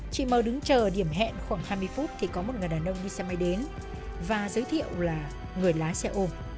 chị m đứng chờ đến và giới thiệu là người lá xe ôm